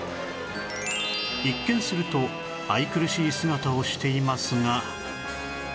一見すると愛くるしい姿をしていますが